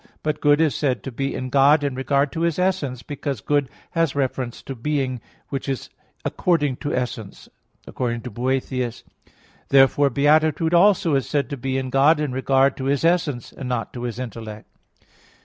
But good is said to be in God in regard to His essence, because good has reference to being which is according to essence, according to Boethius (De Hebdom.). Therefore beatitude also is said to be in God in regard to His essence, and not to His intellect.